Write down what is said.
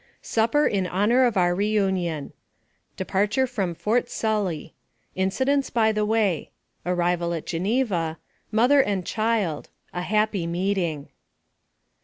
SUPPER IN HONOR OF OUR RE UNION DEPARTURE FROM FORT SUIAY INCIDENTS BY THE WAY ARRIVAL AT GENEVA MOTHER AND CHILD A HAPPY MEETING.